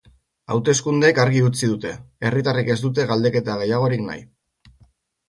Hauteskundeek argi utzi dute, herritarrek ez dute galdeketa gehiagorik nahi.